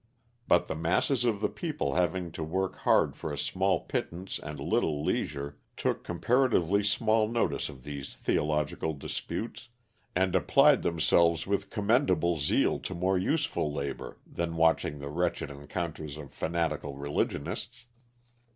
But the masses of the people having to work hard for a small pittance and little leisure, took comparatively small notice of these theological disputes, and applied themselves with commendable zeal to more useful labor than watching the wretched encounters of fanatical religionists.